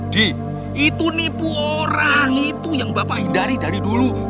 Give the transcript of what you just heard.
di itu nipu orang itu yang bapak hindari dari dulu